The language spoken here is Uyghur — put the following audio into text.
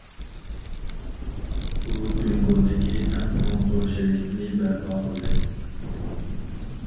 ئۇ جۇڭگودىكى ئەڭ چوڭ تور شىركىتىنى بەرپا قىلدى.